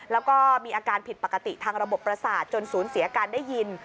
แล้วก็มีอาการผิดปกติทางระบบประสาทจนสูญเสียการได้ยิน